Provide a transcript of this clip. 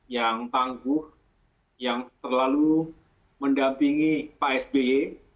yang tangguh yang terlalu mendampingi pak sby